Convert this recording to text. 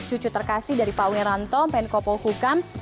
cucu terkasih dari pak wiranto penkopo hukam